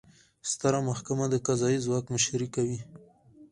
ستره محکمه د قضایي ځواک مشري کوي